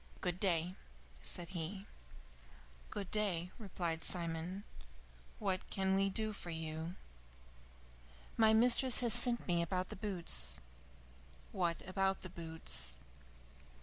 "Good day," said he. "Good day," replied Simon. "What can we do for you?" "My mistress has sent me about the boots." "What about the boots?"